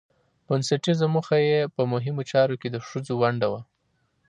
بنسټيزه موخه يې په مهمو چارو کې د ښځو ونډه وه